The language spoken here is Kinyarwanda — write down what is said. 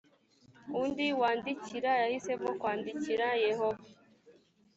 undi wandikira yahisemo kwandikira yehova